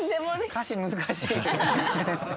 歌詞難しい。